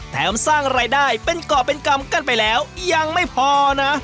สร้างรายได้เป็นก่อเป็นกรรมกันไปแล้วยังไม่พอนะ